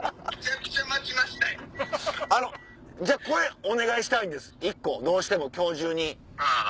じゃあこれお願いしたいんですどうしても今日中に。